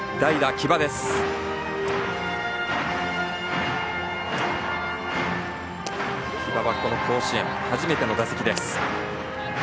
木場はこの甲子園初めての打席。